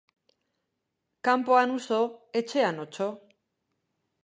Kanpoan uso, etxean otso